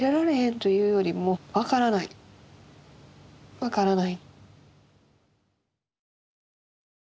分からない。